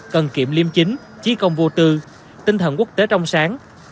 cần kiệm liêm chính trí công vô tư tinh thần quốc tế trong sáng